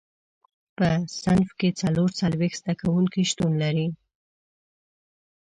په صنف کې څلور څلوېښت زده کوونکي شتون لري.